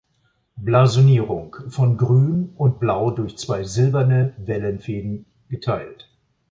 Blasonierung: „Von Grün und Blau durch zwei silberne Wellenfäden geteilt.